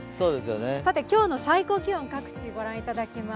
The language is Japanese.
今日の最高気温、各地、ご覧いただきます。